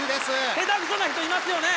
下手くそな人いますよね？